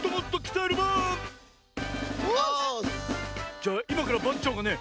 じゃあいまからばんちょうがね